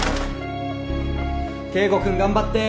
圭吾君頑張って！